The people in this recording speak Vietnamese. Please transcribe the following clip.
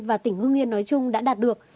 và tỉnh hưng yên nói chung đã đạt được